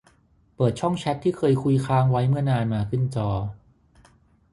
เปิดช่องแชตที่เคยคุยค้างไว้เมื่อนานมาขึ้นจอ